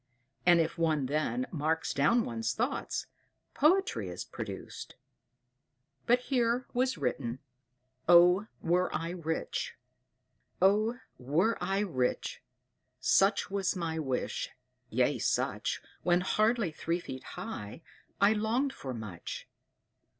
And if one then marks down one's thoughts, poetry is produced. But here was written: OH, WERE I RICH! "Oh, were I rich! Such was my wish, yea such When hardly three feet high, I longed for much.